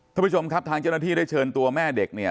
ท่านผู้ชมครับทางเจ้าหน้าที่ได้เชิญตัวแม่เด็กเนี่ย